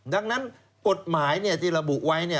ดังนั้นกฏหมายที่ระบุไว้เนี่ย